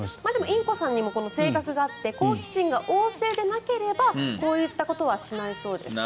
インコさんにも性格があって好奇心が旺盛でなければこういったことはしないそうです。